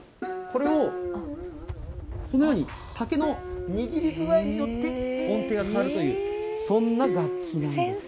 これをこのように、竹の握り具合によって、音程が変わるという、そんな楽器なんです。